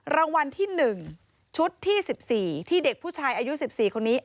รางวัลที่๑ชุดที่๑๔ที่เด็กผู้ชายอายุ๑๔คนนี้